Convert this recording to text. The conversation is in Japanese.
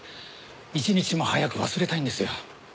一日も早く忘れたいんですよ。